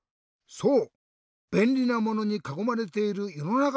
そう。